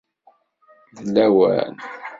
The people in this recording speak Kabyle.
D lawan.